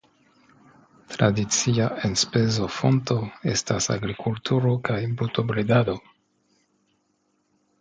Tradicia enspezofonto estas agrikulturo kaj brutobredado.